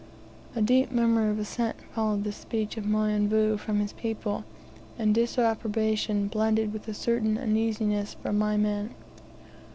A deep murmur of assent followed this speech of Mionvu from his people, and disapprobation, blended with a certain uneasiness; from my men.